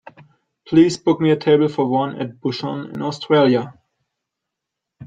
Please book me a table for one at Bouchon in Australia.